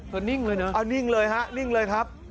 เธอนิ่งเลยเหรอนิ่งเลยครับ